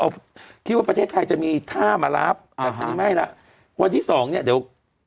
เอาคิดว่าประเทศไทยจะมีท่ามารับแบบนี้ไม่แล้ววันที่สองเนี้ยเดี๋ยว